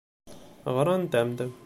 Ɣrant-am-d.